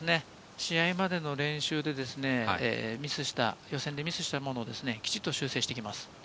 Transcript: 試合までの練習でミスしたものをきちんと修正してきます。